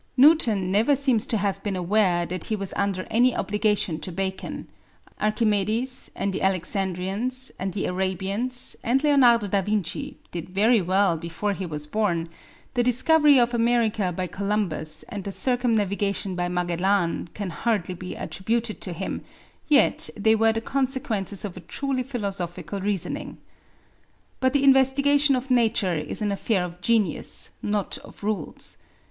"Newton never seems to have been aware that he was under any obligation to Bacon. Archimedes, and the Alexandrians, and the Arabians, and Leonardo da Vinci did very well before he was born; the discovery of America by Columbus and the circumnavigation by Magellan can hardly be attributed to him, yet they were the consequences of a truly philosophical reasoning. But the investigation of Nature is an affair of genius, not of rules.